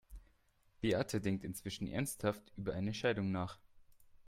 Beate denkt inzwischen ernsthaft über eine Scheidung nach.